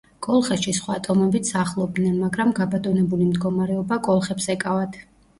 კოლხეთში სხვა ტომებიც სახლობდნენ, მაგრამ გაბატონებული მდგომარეობა კოლხებს ეკავათ.